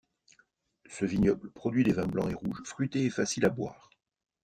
Ce vignoble produit des vins blanc et rouge fruités et facile à boire.